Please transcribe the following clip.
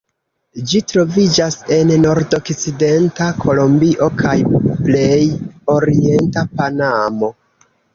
Ĝi troviĝas en nordokcidenta Kolombio kaj plej orienta Panamo.